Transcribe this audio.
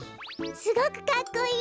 すごくかっこいい！